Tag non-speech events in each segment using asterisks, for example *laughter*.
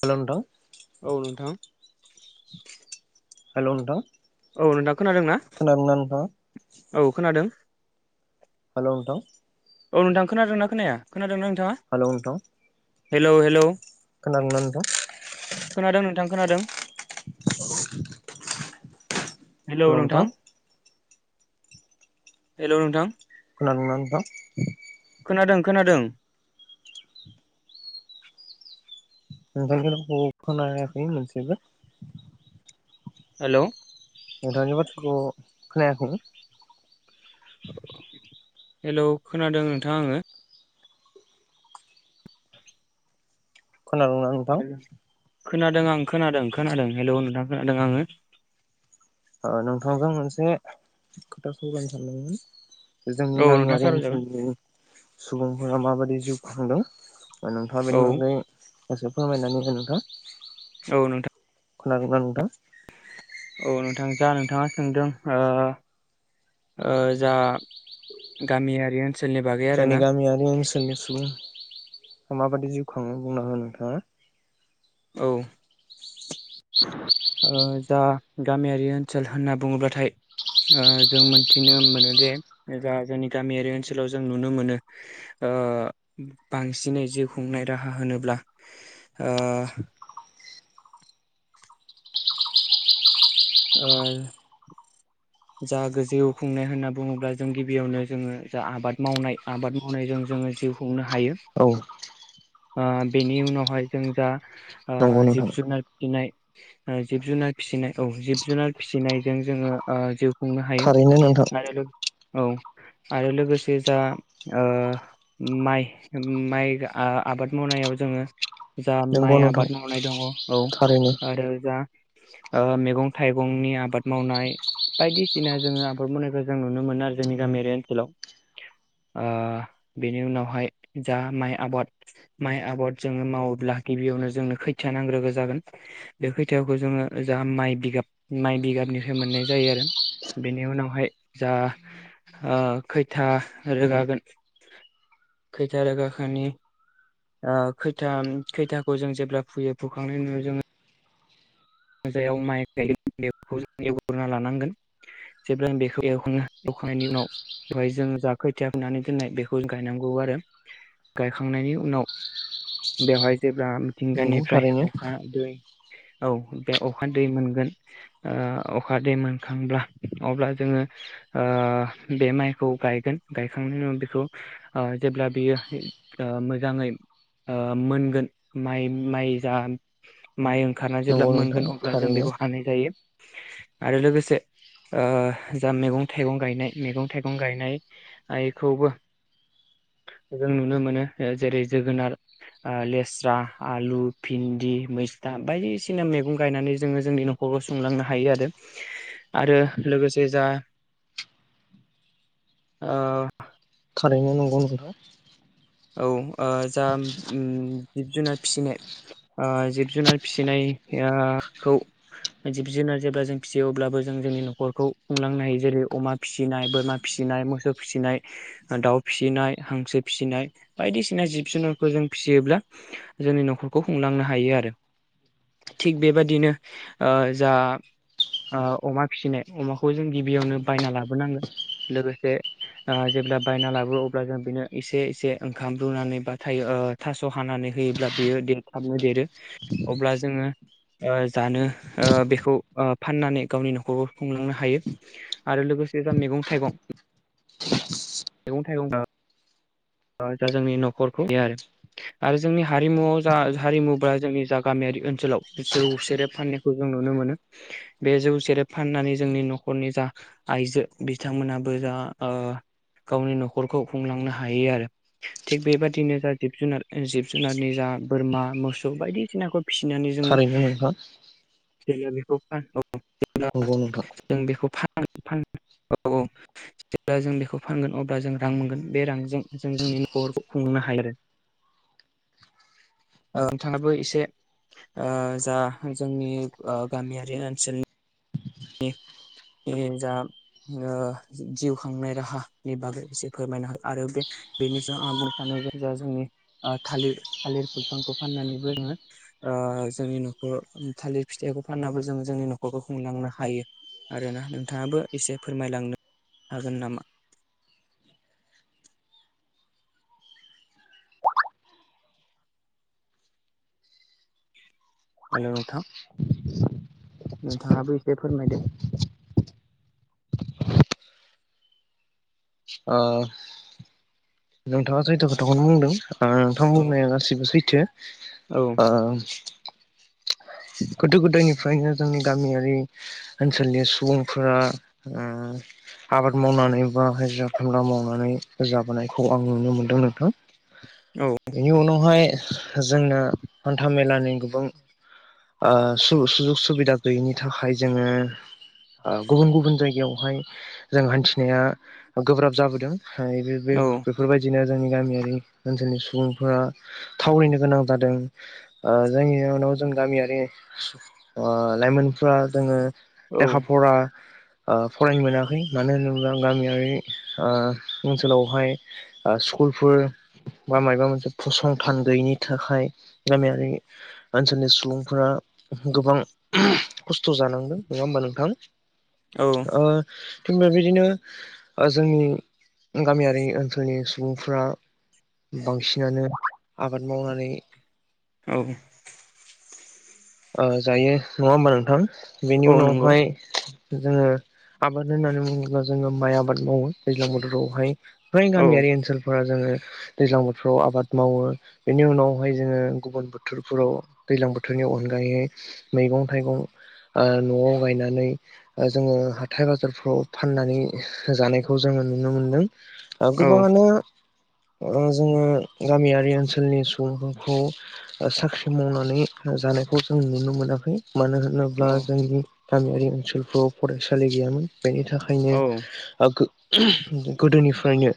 हेल नोंथां औ नोंथां हेल' नोंथां औ नों दां खोनादों ना? खोनादोंना नोंथाङा औ खोनादों। हेलौ नोंथां औ नोंथां खोनादोंना खोनाया खोनादों ना हेलव नोंथां? हेलौ हेलौ खोनादोंना नोंथां? खोनादों नोंथां खोनादों हेलौ लंटं नोंथां हेलौ नोंथां *unintelligible* खोनादों खोनादों। नोंथां रावखौ खोनायाखै मोनसेबो। हेल नोंथांनि बाथ्राखौ खोनायाखै हेलौ खोनादों नोंथां आङो खोनादोंंना नोंथां? खोनादों आं खोनादों खोनादों हेलौ नोंथां खोनादों आङो ओ नोंथांजों मोनसे खोथा सावरायनो सानदोंमोन जोंनि औ नोंथां गामियारि सावरायजागोन ओनसोलनि सुबुंफोरा माबायदि जिउ खांदों नोंथाङा बेनि औ बागै एसे फोरमायनानै हो नोंथां? औ नोंथां खोनादोंना नोंथां? औ नोंथां जा नोंथाङा सोंदों ओ ओ जा गामियारि ओनसोलनि बागै जोंनि आरोना गामियारि आनसोलनि सुबुं माबादि जिउ खाङो बुंना हो नोंथाङा औ ओजा गामियारि ओनसोल होनना बुङोब्लाथाय ओ जों मोनथिनो मोनो जे जा जोंनि गामियारि ओनसोलाव जों नुनो मोनो ओ बांसिनै जिउ खुंनाय राहा होनोब्ला ओ ओ जा गोजौ खुंनाय होनना बुङोब्ला जों गिबियावनो जोङो जा आबाद मावनाय आबाद मावनायजों जोङो जिउ खुंनो हायो औ ओ बेनि उनावहाय जों जा ओ नंगौ नोंथां जिब जुनार फिनाय जिब जुनार फिसिनाय औ जिब जुनार फिसिनायजों जोङो ओ जिउ खुंनो हायो थारैनो नोंथां आरो लोग औ आरो लोगोसे जा ओ माइ माइ आबाद मावनायाव जोङो जा नंगौ माइ नोंथां आबाद मावनाय दङ औ थारैनो आरो जा ओ मैगं थाइगंनि आबाद मावनाय बायदिसिना जोङो आबाद मावनायखौ जों नुनो मोनो आरो जोंनि गामियारि ओनसोलाव। ओ बेनि उनावहाय जा माइ आबाद माइ आबाद जोङो मावोब्ला गिबियावनो जोंनो खोथिया नांग्रोगौ जागोन बे खोथियाखौ जोङो ओ जा माइ बिगाब माइ बिगाबनिफ्राय मोननाय जायो आरो। बेनि उनावहाय जा ओ खोथिया रोगागोन खोथिया रोगाखांनि ओ खोथिया खोथियाखौ जों जेब्ला फुयो फुखांनायनि उनाव जोङो जायाव माइ गायो बेखौ एवग्रोना लानांगोन जेब्ला बेखौ एवखांना एवखांनायनि उनाव बेवहाय जों जा खोथिया फुनानै दोननाय बेखौ जों गायनांगौ आरो गायखांनायनि उनाव बेवहाय जेब्ला नंगौ थिंगानिफ्राय थारैनो अखा, दै औ बे अखा दै मोनगोन ओ अखा दै मोनखांब्ला अब्ला जोङो ओ बे माइखौ गायगोन गायखांनायनि उनाव बेखौ ओ जेब्ला बियो ओ मोजाङै ओ मोनगोन माइ माइ जा माइ खारना जेब्ला नंगौ मोन नोंथां अब्ला जों थारैनो बेखौ हानाय जायो। आरो लोगोसे ओ जा मैगं थाइगं गायनाय मैगं थाइगं गायनायखौबो जों नुनो मोनो जेरै जोगोनार, ओ लेस्रा, आलु, भिन्दि, मैस्था, बायदिसिना मैगं गायनानै जोङो जोंनि नखरखौ सुंलांनो हायो आरो लोगोसे जा ओ थारैनो नंगौ नोंथां। औ। ओ जा उम जिब जुनार फिसिनाय ओ जिब जुनार फिसिनायाखौ जिब जुनार जेब्ला जों फिसियो अब्लाबो जों जोंनि नखरखौ खुंलांनो हायो जेरै अमा फिसिनाय बोरमा फिसिनाय मोसौ फिसिनाय दाउ फिसिनाय हांसो फिसिनाय। बायदिसिना जिब जुनारखौ जों फिसियोब्ला जोंनि नखरखौ खुंलांनो हायो आरो थिग बेबादिनो ओ जा ओ अमा फिसिनाय अमाखौ जों गिबियावनो बायना लाबोनांगोन लोगोसे ओ जेब्ला बायना लाबोयो अब्ला जों बेनो एसे एसे ओंखाम रुनानै बा थायो ओ थास हानानै होयोब्ला बेयो देरथाबनो देरो अब्ला जोङो ओ जानो ओ बेखौ ओ फाननानै गावनि नखरखौ खुंलांनो हायो आरो लोगोसे जा मैगं थाइगं मैगं थाइगं बा जा जोंनि न'खरखौ गया आरो आरो जोंनि हारिमुआव जा हारिमु जोंनि जा गामियारि ओनसोलाव जौ सेरेब फाननायखौ जों नुनो मोनो बे जौ सेरेब फाननानै जोंनि नखरनि जा आइजो बिथांमोनाबो जा गावनि न'खरखौ खुंलांनो हायो आरो। थिग बेबादिनो जा जिब जुनार जिब जुनारनि जा बोरमा मोसौ बायदिसिनाखौ फिसिनानै जोङो थारैनो नोंथां *unintelligible* अब्ला नंगौ नोंथा जों बेखौ औ औ जेब्ला जों बेखौ फानगोन अब्ला जों रां मोनगोन बे रांजों जों जोंनि नखरखौ खुंनो हायो आरो। ओ नोंथाङाबो एसे ओ जा जोंनि ओ गामियारि ओनसोलनि *inaudible* जा ओ जिउ खांनाय राहा नि बागै एसे फोरमायना हो आरो बे बेनि जा आ बुंनो सानो जे जा जोंनि ओ थालिर थालिर बिफांखौ फाननानैबो जोङो ओ जोंनि नखर थालिर फिथाइखौ फाननाबो जों जोङो जोंनि नखरखौ खुंलांनो हा हायो आरोना नोंथाङाबो एसे फोरमायलांनो हागोन नामा? हेलौ नोंथां। नोंथाङाबो एसे फोरमायदो। ओ। नोंथाङा सैथो खोथाखौनो बुंदों। ओ नोथां औ बुंनाया गासिबो सैथो औ ओ गोदो गोदायनिफ्रायनो जोंनि गामियारि ओनसोलनि सुबुंफोरा ओ आबाद मावनानै बा हाजिरा खामला मावनानै जाबोनाय खौ आं नुनो मोनदों नोंथां। बेनि उनावहाय जोंना हान्था मेलानि गोबां ओ सु-सुजुग सुबिदा गैयैनि थाखाय जोङो ओ गुबुन गुबुन जायगायावहाय जों हान्थिनाया गोब्राब जाबोदों। हायो बे औ बे दिनो जोंनि गामियारि ओनसोलनि सुबुंफोरा थावरिनो गोनां जादों ओ जायनि जाउनाव जों गामियारि ओ लाइमोनफोरा जोङो औ लेखा फरा ओ फरायनो मोनाखै मानो होनोब्ला गामियारि ओ ओनसोलावहाय। ओ स्कुलफोर बा मायबा मोनसे फसंथान गैयिनि थाखाय गामियारि ओनसोलनि सुबुंफोरा गोबां *unintelligible* खस्थ जानांदों नङा होमबा नोंथां। औ ओ थिग बेबायदिनो ओ जोंनि गामियारि ओनसोल *unintelligible* सुबुंफ्रा बांसिनानो आबाद मावनानै औ ओ जायो नङा होमबा नोंथां। बेनि औ नंगौ उनावहाय जोङो आबाद होननानै बुङोब्ला जोङो माइ आबाद मावो दैज्लां बोथोराव हाय फ्राय औ गामियारि ओनसोलफ्रा जोङो दैज्लां बोथोराव आबाद मावो बेनि उनाव हाय जोङो गुबुन बोथोरफोराव दैज्लां बोथोरनि अनगायै मैगं थाइगं ओ नआव गायनानै ओ जोङो हाथाय बाजारफ्राव फाननानै जानायखौ जोङो नुनो मोनदों। ओ नंगौ औ गोबाङानो ओ जोङो गामियारि ओनसोलनि सुबुंफोरखौ ओ साख्रि मावनानै जानायखौ जों नुनो मोनाखै मानो होनोब्ला औ जोंनि गामियारि ओनसोलफ्राव फरायसालि गैयामोन बेनि थाखायनो ओ गो *unintelligible* गोदोनिफ्रायनो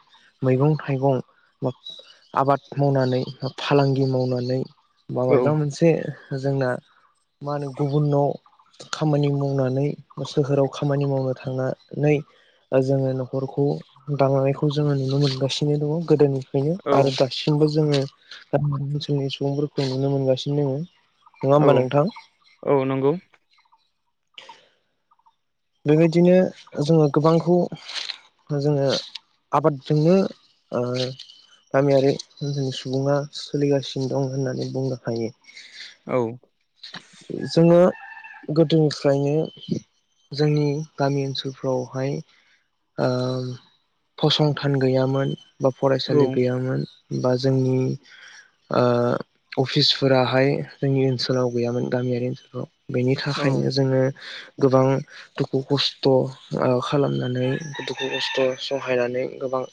मैगं थाइगं बा आबाद मावनानै फालांगि मावनानै औ बाबायबा मोनसे जोंना मा होनो गुबुनाव खामानि मावनानै सोहोराव खामानि मावनो थांनानै जोङो नखरखौ दानानै खौ जोङो नुनो मोनगासिनो दङ गोदोनि बेयो औ आरो दासिमबो जोङो गामि ओनसोलनि सुबुंफोरखौ नुनो मोनगासिनो दोङो औ औ नंगौ। बेबायदिनो जोङो गोबांखौ जोङो आबादजोंनो ओ गामियारि जोंनि सुबुङा सोलिगासिनो दं होननानै बुंनो हायो। औ गोदोफ्रायनो जोंनि गामि ओनसोलफ्रावहाय ओ फसंथान गैयामोन बा औ फरायसालि गैयामोन बा जोंनि ओ अफिसफोराहाय जोंनि ओनसोलाव गैयामोन गामियारि ओनसोलफ्राव बेनि औ थाखायनो जोङो गोबां दुखु खस्थ' ओ खालामनानै दुखु खस्थ सहायनानै गोबां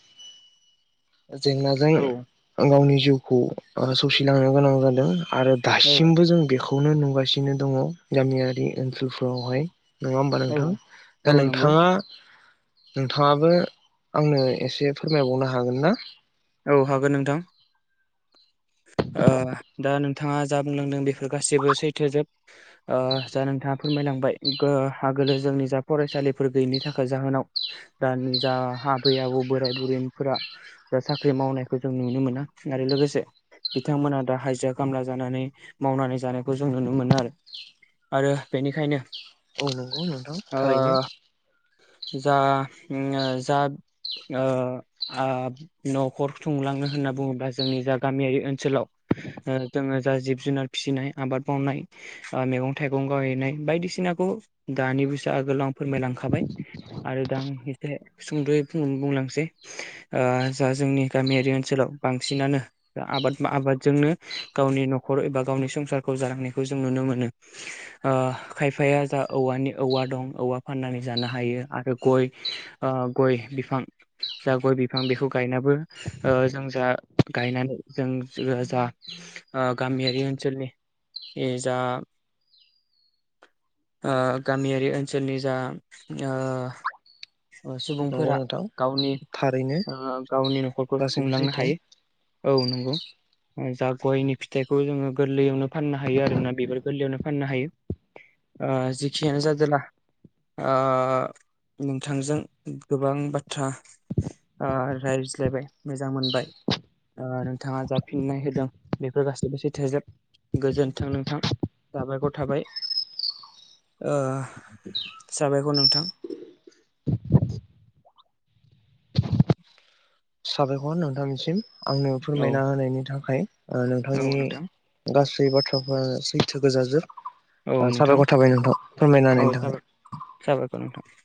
जेंनाजों औ गावनि जिउखौ सौसिलांनो गोनां जादों। आरो ओ दासिमबो जों बेखौ खौनो नुगासिनो दङ गामियारि ओनसोलफोराव हाय। नङा होमबा औ नोंथां औ दा नंगौ नोंथाङा नोंथाङाबो आंनो एसे फोरमायबावनो हागोन ना? औ हागोन नोंथां ओ दा नोंथाङा जा बुंलांदों बेफोर गासैबो सैथोजोब ओ जा नोंथाङा फोरमायलांबाय गों आगोलो जोंनि जा फरायसालिफोर गैयिनि थाखाय जाहोनाव दानि जा आबै आबौ बोराय बुरैफोरा जा साख्रि मावनायखौ जों नुनो मोना आरो लोगोसे बिथांमोना दा हायजिर खामला जानानै मावनानै जानायखौ जों नुनो मोनो आरो आरो बेनिखायनो औ नंगौ नोंथां ओ थारैनो। जा ओंङो जा ओ आब नखर खुंलांनो होनना बुङोब्ला जोंनि जा ग गामियारि ओन सोलाव ओ जोङो जा जिब जुनार फिसिनाय आबाद मावनाय ओ मैगं थाइगं गावहैनाय बायदिसिनाखौ दानि बोसो आगोलाव आं फोरमायलांखाबाय आरो दां एसे सुंदयै बुंलांसै ओ जा जोंनि गामियारि ओनसोलाव बांसिनानो आबाद आबादजोंनो गावनि नखर एबा गावनि संसारखौ जालांनायखौ जों नुनो मोनो। खायफाया जा औवानि औवा दं औवा फाननानै जानो हायो आरो गय ओ गय बिफां जा गय बिफां बेखौ गायनाबो ओ जों जा गायनानै जों जा ओ गामियारि ओनसोलनि जा ओ गामियारि ओनसोलनि जा ओ नंगौ सुबुंफोरा नोंथां गावनि थारैनो ओ गावनि नखरखौ गासैबो खुंलांनो सैथो हायो अह नंगौ जा गयनि फिथाइखौ जोङो गोरलैयावनो फाननो हायो आरोना बेफोर गोरलैयावनो फाननो हायो जेखियानो जादोंला नोंथांजों गोबां बाथ्रा रायज्लायबाय मोजां मोनबाय ओ नोंथाङा जाफिननाय होदों बेफोर गाैबोसैथोजोब गोजोन्थों नोंथां साबायखर थाबाय ओ साबायखर नोंथां साबायखर नोंथामसिम आंनो औ फोरमायना होनायनि थाखाय। ओ औ नोंथांनि नोंथां गासै बाथ्रा ओ सैथो गोजाजोब औ नोंथां साबायखर थाबाय नोंथां फोरमायना होनायनि थाखाय ओ नोंथां